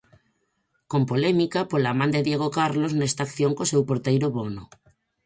Con polémica pola man de Diego Carlos nesta acción co seu porteiro Bono.